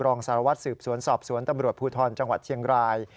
รองสารวัตรสืบสวนสอบสวนตำรวจภูทรจังหวัดเชียงราย